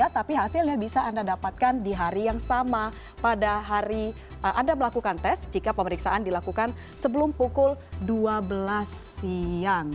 tapi hasilnya bisa anda dapatkan di hari yang sama pada hari anda melakukan tes jika pemeriksaan dilakukan sebelum pukul dua belas siang